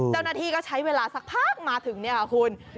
เจ้าหน้าที่ก็ใช้เวลาสักพักมาถึงเนี่ยค่ะคุณ